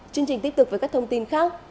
chương trình tiếp tục với các thông tin khác